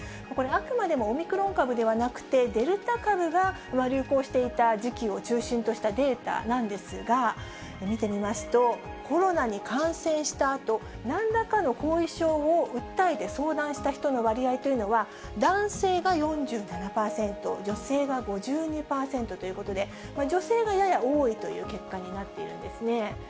これ、あくまでもオミクロン株ではなくて、デルタ株が流行していた時期を中心としたデータなんですが、見てみますと、コロナに感染したあと、なんらかの後遺症を訴えて相談した人の割合というのは、男性が４７％、女性が５２％ということで、女性がやや多いという結果になっているんですね。